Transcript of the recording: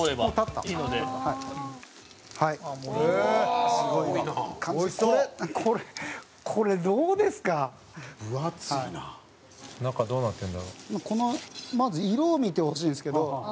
品川：まず色を見てほしいんですけど。